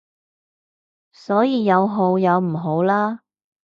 所以有好有唔好啦